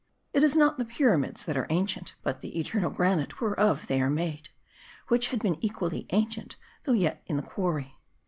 It is not the Pyramids that are ancient, but the eternal granite whereof they are made ; which had been equally ancient though yet in the quarry.